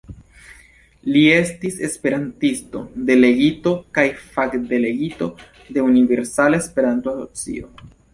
Li estis esperantisto, delegito kaj fakdelegito de Universala Esperanto-Asocio.